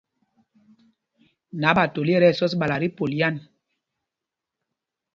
Naɓatoli ɛ tí ɛsɔs ɓala tí polyan.